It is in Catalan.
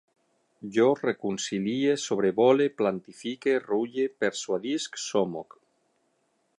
Jo reconcilie, sobrevole, plantifique, rulle, persuadisc, somoc